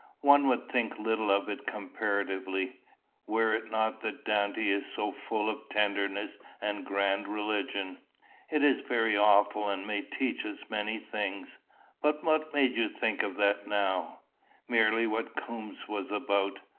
One would think little of it comparatively, were it not that Dante is so full of tenderness and grand religion. It is very awful, and may teach us many things." "But what made you think of that now?" "Merely what Coombes was about.